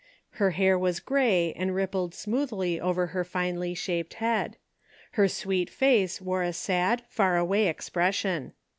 Her hair was grey and rippled smoothly over her finely shaped head. Her sweet face wore a sad, far away expression.